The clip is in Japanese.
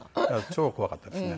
超怖かったですね。